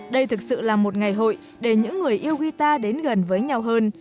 đây thực sự là một ngày hội để những người yêu guitar đến gần với nhau hơn